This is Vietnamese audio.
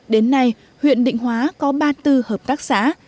đến nay huyện định hóa có ba tư hợp tác xã